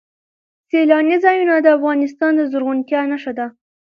سیلانی ځایونه د افغانستان د زرغونتیا نښه ده.